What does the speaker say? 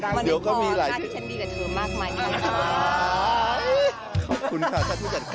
มันนี่มีเป่าที่ฉันมีกับเธอมากมายก็ค่ะ